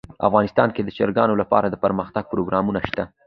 افغانستان کې د چرګانو لپاره دپرمختیا پروګرامونه شته.